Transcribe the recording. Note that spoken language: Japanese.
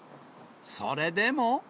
それでも。